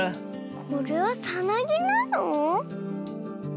これはさなぎなの？